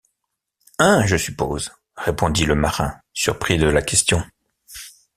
Un, je suppose! répondit le marin, surpris de la question.